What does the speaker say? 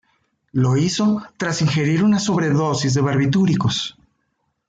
Lo hizo tras ingerir una sobredosis de barbitúricos.